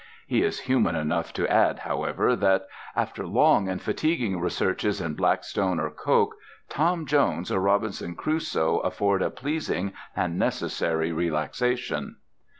He is human enough to add, however, that "after long and fatiguing researches in 'Blackstone' or 'Coke,' 'Tom Jones' or 'Robinson Crusoe' afford a pleasing and necessary relaxation.